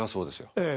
ええ。